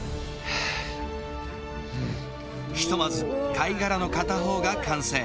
ひとまず貝殻の片方が完成